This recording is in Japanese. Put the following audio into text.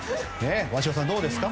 鷲尾さん、どうですか。